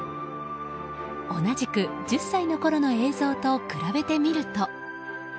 同じく１０歳のころの映像と比べてみると。